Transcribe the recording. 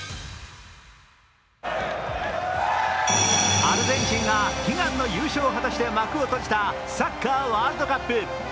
アルゼンチンが悲願の優勝を果たして幕を閉じたサッカーワールドカップ。